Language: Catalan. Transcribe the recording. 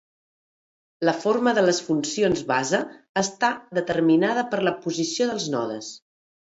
La forma de les funcions base està determinada per la posició dels nodes.